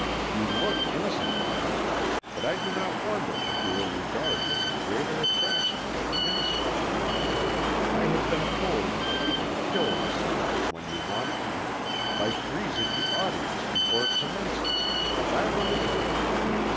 You look innocent enough, but I do not wonder that you are regarded as a greater attraction than the minister. I have been told that you can kill the sermon, when you want to, by freezing the audience before it commences, and I believe it.